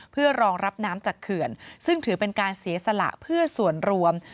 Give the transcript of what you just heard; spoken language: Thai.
เพื่อรองรับน้ำจากเขื่อนซึ่งถือเป็นการเสียสละเพื่อส่วนรวม